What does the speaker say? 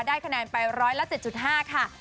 ได้คะแนนไป๑๐๗๕ค่ะ